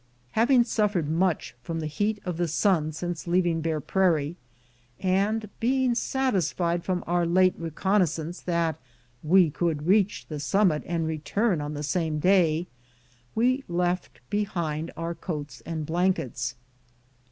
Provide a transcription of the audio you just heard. Having suffered much from the heat of the sun since leaving Bear Prairie, and being satisfied from our late reconnoissance that we could reach the sum mit and return on the same day, we left behind our coats and blankets.